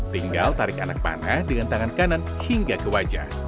tinggal tarik anak panah dengan tangan kanan hingga ke wajah